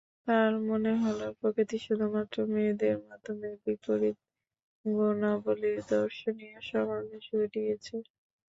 তাঁর মনে হল প্রকৃতি শুধুমাত্র মেয়েদের মধ্যেই বিপরীত গুণাবলির দর্শনীয় সমাবেশ ঘটিয়েছে।